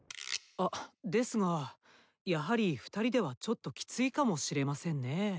あですがやはり２人ではちょっとキツいかもしれませんね。